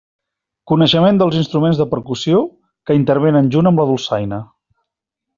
Coneixement dels instruments de percussió que intervenen junt amb la dolçaina.